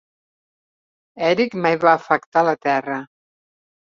Erick mai va afectar la terra.